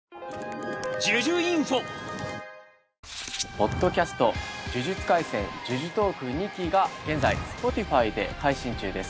ポッドキャスト「呪術廻戦じゅじゅとーくニキ」が現在「Ｓｐｏｔｉｆｙ」で配信中です。